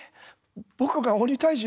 僕が鬼退治？